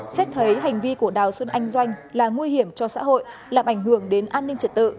xét thấy hành vi của đào xuân anh doanh là nguy hiểm cho xã hội làm ảnh hưởng đến an ninh trật tự